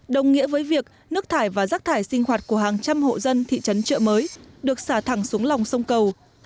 đồng nghĩa với việc nước thải và rác thải sinh hoạt của hàng trăm hộ dân thị trấn trợ mới được xả thẳng xuống lòng sông cầu